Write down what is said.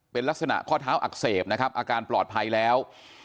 เป็นลักษณะข้อเท้าอักเสบนะครับอาการปลอดภัยแล้ว